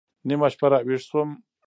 نيمه شپه راويښ سوم.